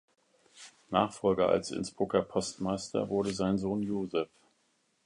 Nachfolger als Innsbrucker Postmeister wurde sein Sohn Josef.